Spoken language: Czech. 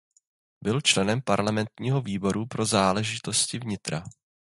Byl členem parlamentního výboru pro záležitosti vnitra.